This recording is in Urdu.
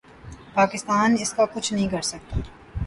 پاکستان اس کا کچھ نہیں کر سکتا۔